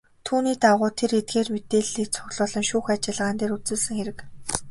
Түүний дагуу тэр эдгээр мэдээллийг цуглуулан шүүх ажиллагаан дээр үзүүлсэн хэрэг.